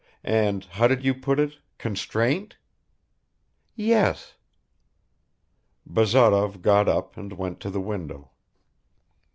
. and, how did you put it constraint?" "Yes." Bazarov got up and went to the window.